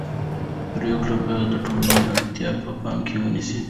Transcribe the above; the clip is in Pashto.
پرېکړې باید د ټولنې اړتیاوې په پام کې ونیسي